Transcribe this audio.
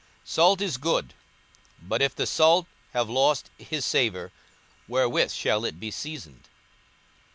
42:014:034 Salt is good: but if the salt have lost his savour, wherewith shall it be seasoned?